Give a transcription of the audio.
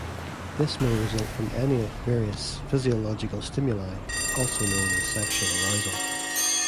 This may result from any of various physiological stimuli, also known as sexual arousal.